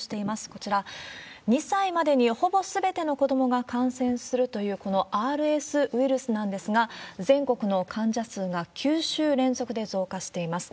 こちら、２歳までにほぼすべての子どもが感染するという、このＲＳウイルスなんですが、全国の患者数が９週連続で増加しています。